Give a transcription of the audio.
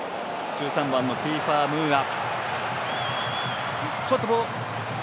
１３番のキーファー・ムーア。